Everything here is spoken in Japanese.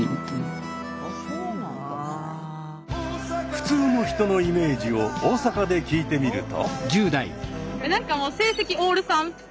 「普通の人」のイメージを大阪で聞いてみると。